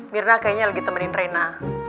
mirna kayaknya lagi temenin rena